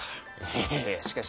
いやしかし。